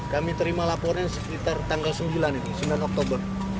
kami terima laporan sekitar tanggal sembilan sembilan oktober